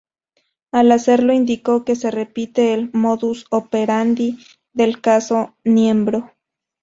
Al hacerlo, indicó que "se repite el "modus operandi" del caso Niembro".